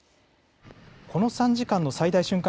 この３時間の最大瞬間